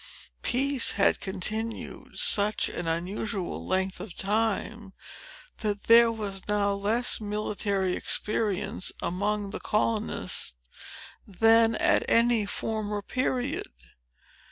Peace had continued such an unusual length of time, that there was now less military experience among the colonists, than at any former period.